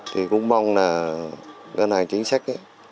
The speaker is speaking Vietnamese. thì cũng mong là ngân hàng chính sách